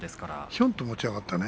ひょいと持ち上がったね。